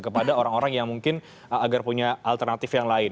kepada orang orang yang mungkin agar punya alternatif yang lain